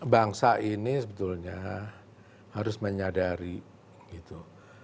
bangsa ini sebetulnya harus menyadari gitu